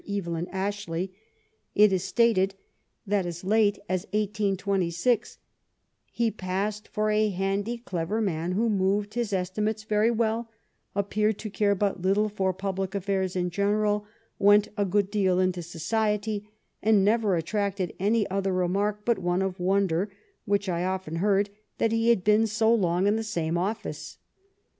Evelyn Ashley, it is stated that as late as 1826, '' he passed for a handy clever man who moved his esti mates very well, appeared to care but little for public affairs in general, went a good deal into society, and never attracted any other remark but one of wonder, which I often heard, that he had been so long in the same office."